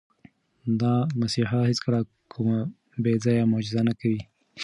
دا مسیحا هیڅکله کومه بې ځایه معجزه نه کوي.